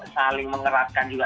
saling mengeratkan juga